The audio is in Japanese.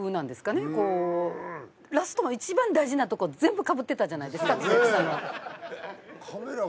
ラストの一番大事なとこ全部かぶってたじゃないですか。